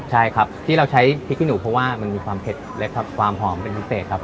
ใช่ครับที่เราใช้พริกขี้หนูเพราะว่ามันมีความเผ็ดเล็กครับความหอมเป็นพิเศษครับ